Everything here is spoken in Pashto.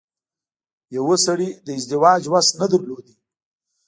يوه سړي د ازدواج وس نه درلود.